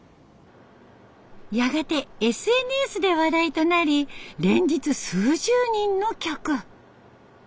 やがてＳＮＳで話題となり連日数十人の客。